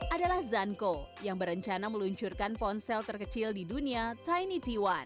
adalah zanko yang berencana meluncurkan ponsel terkecil di dunia tiny t satu